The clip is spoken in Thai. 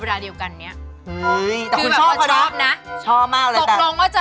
เดี๋ยวให้มีเรื่อง